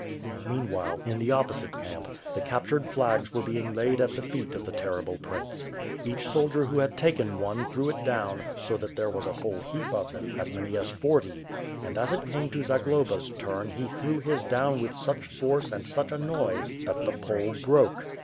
Meanwhile, in the opposite camp, the captured flags were being laid at the feet of the terrible prince. Each soldier who had taken one threw it down, so that there was a whole heap of them, as many as forty; and as it came to Zagloba's turn he threw his down with such force and such a noise that the pole broke.